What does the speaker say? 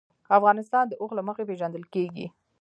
افغانستان د اوښ له مخې پېژندل کېږي.